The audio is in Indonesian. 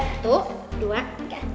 satu dua tiga